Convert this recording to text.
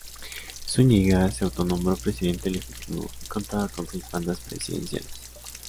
Zúñiga se autonombró "presidente legítimo" y contaba con seis bandas presidenciales.